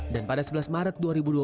dan pada sebelas maret dua ribu dua puluh